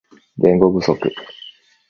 言語不足